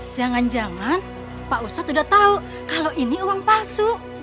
jangan jangan pak ustadz sudah tahu kalau ini uang palsu